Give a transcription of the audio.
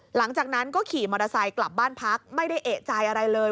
หลังจากนั้นก็ขี่มอเตอร์ไซค์กลับบ้านพักไม่ได้เอกใจอะไรเลย